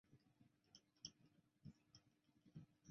栖兰远环蚓为巨蚓科远环蚓属下的一个种。